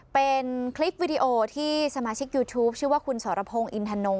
เป็นคลิปวิดีโอที่สมาชิกยูทูปชื่อว่าคุณสรพงศ์อินทนง